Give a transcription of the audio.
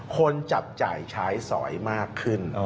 คนจับจ่ายใช้สอยมากขึ้น